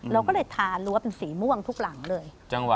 เราก็เลยทารั้วเป็นสีม่วงทุกหลังเลย